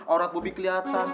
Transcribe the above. aurat bobby keliatan